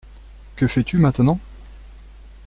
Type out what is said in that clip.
Que fais-tu Maintenant ?